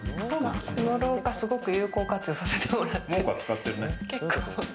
この廊下、すごく有効活用させてもらってる。